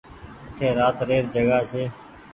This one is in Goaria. اٺي رات ري ر جگآ ڇي۔